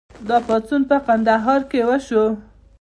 دا پاڅون په کندهار کې وشو.